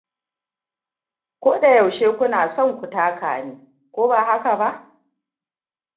Ko da yaushe kuna son ku taka ni, ko ba haka ba?